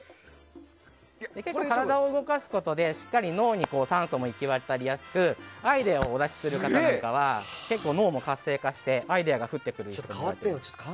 結構、体を動かすことで脳に酸素も行き渡りやすくアイデアをお出しする方なんかは結構、脳も活性化してアイデアが降ってくる椅子です。